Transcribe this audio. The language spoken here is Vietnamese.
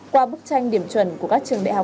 qua bức tranh điểm chuẩn của các trường đại học